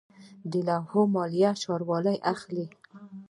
د لوحو مالیه ښاروالۍ اخلي